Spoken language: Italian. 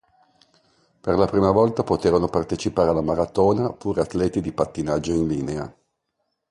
Per la prima volta poterono partecipare alla maratona pure atleti di pattinaggio in linea.